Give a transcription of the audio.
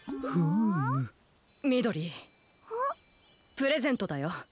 プレゼントだよ。